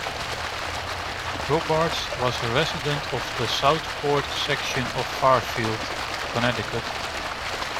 Robards was a resident of the Southport section of Fairfield, Connecticut.